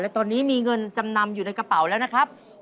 และตอนนี้มีเงินจำนำอยู่ในกระเป๋าแล้วนะครับ